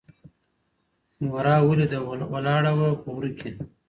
مورا ولیده ولاړه وه په وره کي